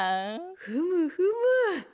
ふむふむ。